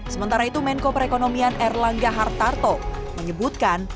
sementara itu menko perekonomian erlangga hartarto menyebutkan